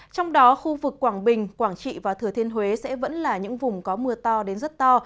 trong đó khu vực quảng bình quảng trị và thừa thiên huế sẽ vẫn là những vùng có mưa to đến rất to